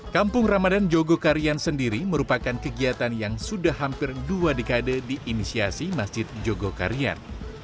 kampung ramadan jogokaryan sendiri merupakan kegiatan yang sudah hampir dua dekade di inisiasi masjid jogokaryan